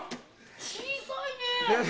「小さいね」